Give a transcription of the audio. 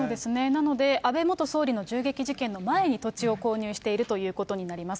なので安倍総理の銃撃事件のその前に土地を購入しているということになります。